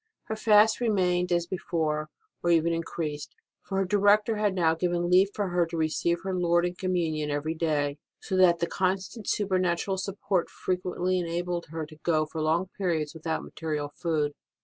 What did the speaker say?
Her fasts remained as before, or even increased ; for her director had now given leave for her to receive her Lord in Communion every day, so that the constant super natural support frequently enabled her to go for long periods without material food.